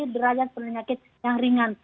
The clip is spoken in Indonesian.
derajat penyakit yang ringan